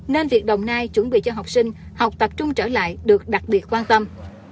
nên việc đồng nai chuẩn bị cho học sinh học tập trung trở lại được đặc biệt quan tâm